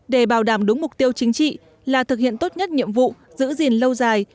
để bảo đảm đúng mục tiêu chính trị là thực hiện tốt nhất nhiệm vụ giữ gìn lâu dài